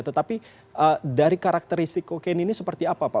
tetapi dari karakteristik kokain ini seperti apa pak